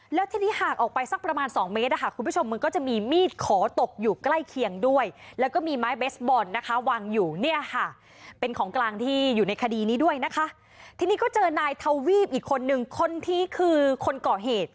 แล้วทีนี้ห่างออกไปสักประมาณสองเมตรนะคะคุณผู้ชมมันก็จะมีมีดขอตกอยู่ใกล้เคียงด้วยแล้วก็มีไม้เบสบอลนะคะวางอยู่เนี่ยค่ะเป็นของกลางที่อยู่ในคดีนี้ด้วยนะคะทีนี้ก็เจอนายทวีปอีกคนนึงคนที่คือคนก่อเหตุ